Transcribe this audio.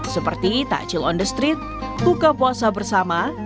seperti takjil on the street buka puasa bersama